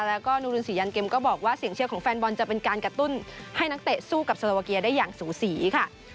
แล้วก็นูรินสียันเกมก็บอกว่าเสียงเชียร์ของแฟนบอลจะเป็นการกระตุ้นให้นักเตะสู้กับโซโลวาเกียได้อย่างสูสีค่ะ